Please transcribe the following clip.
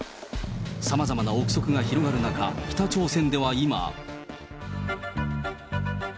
さまざまな憶測が広がる中、北朝鮮では今。